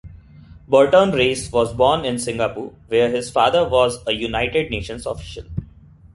Burton-Race was born in Singapore, where his father was a United Nations official.